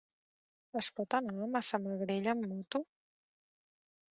Es pot anar a Massamagrell amb moto?